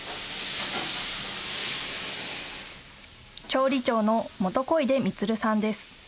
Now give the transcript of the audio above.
調理長の元小出満さんです。